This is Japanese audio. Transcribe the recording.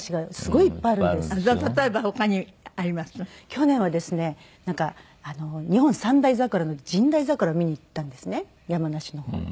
去年はですねなんか日本三大桜の神代桜を見に行ったんですね山梨の方に。